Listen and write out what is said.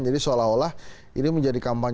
seolah olah ini menjadi kampanye